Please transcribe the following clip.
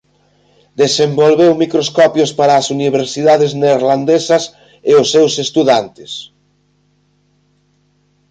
Desenvolveu microscopios para as universidades neerlandesas e os seus estudantes.